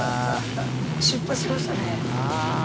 出発しましたね。